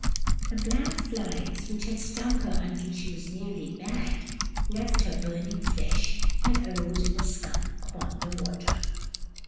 The black flies, which had stung her until she was nearly mad, left her burning flesh and arose in a scum upon the water.